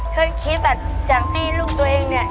เคยคิดแบบอย่างที่ลูกตัวเองนี่